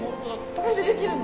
これでできるの？